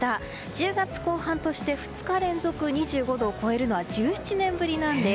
１０月後半として２日連続２５度を超えるのは１７年ぶりなんです。